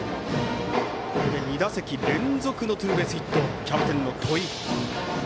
これで２打席連続のツーベースヒットキャプテンの戸井。